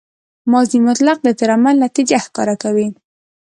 ماضي مطلق د تېر عمل نتیجه ښکاره کوي.